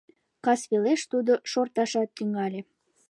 Касвелеш тудо шорташат тӱҥале.